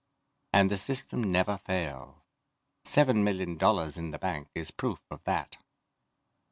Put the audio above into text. And the system never fails. Seven million dollars in the bank is proof of that.